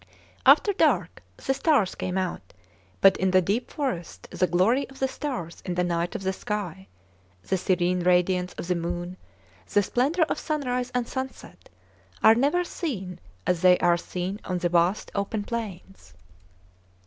After dark the stars came out; but in the deep forest the glory of the stars in the night of the sky, the serene radiance of the moon, the splendor of sunrise and sunset, are never seen as they are seen on the vast open plains.